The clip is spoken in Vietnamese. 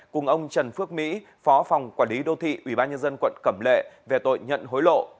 cùng ông trần phước mỹ phó phòng quản lý đô thị ubnd quận cẩm lệ về tội nhận hối lộ